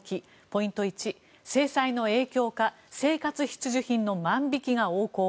ポイント１、制裁の影響か生活必需品の万引きが横行。